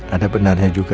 ada penanyaan juga